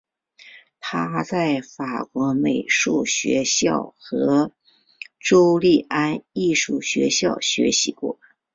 他在法国美术学校和朱利安艺术学校学习过。